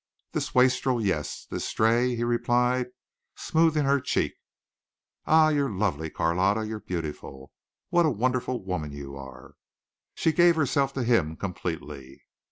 "This wastrel, yes. This stray," he replied, smoothing her cheek. "Ah, you're lovely, Carlotta, you're beautiful. What a wonderful woman you are." She gave herself to him completely.